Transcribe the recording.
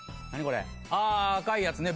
あ赤いやつね。